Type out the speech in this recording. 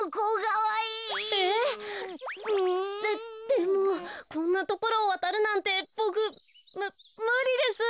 ででもこんなところをわたるなんてボクむむりです。